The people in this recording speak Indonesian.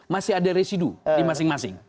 masih ada residu di masing masing